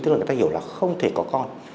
tức là người ta hiểu là không thể có con